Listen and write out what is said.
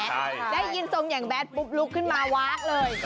ได้ยินทรงอย่างแบทปุ๊บลุกขึ้นมาว้าเลย